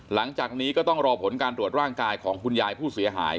หลังจากนี้ก็ต้องรอผลการตรวจร่างกายของคุณยายผู้เสียหาย